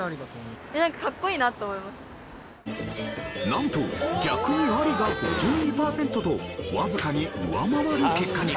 なんと逆にアリが５２パーセントとわずかに上回る結果に。